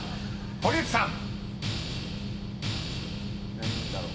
［堀内さん